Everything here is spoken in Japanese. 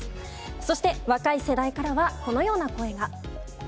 そして、若い世代からは、このような声が。